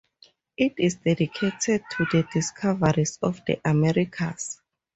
It is dedicated to the "discoverers" of the Americas.